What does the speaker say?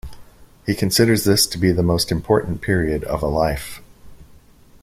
He considers this to be the most important period of a life.